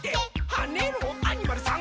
「はねろアニマルさん！」